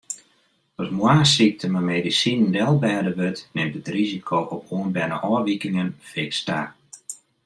As moarnssykte mei medisinen delbêde wurdt, nimt it risiko op oanberne ôfwikingen fiks ta.